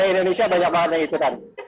dan pelari indonesia banyak yang ikutan